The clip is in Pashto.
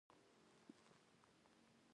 علي تل په غریبانو او مظلومو کسانو باندې ظلم کوي.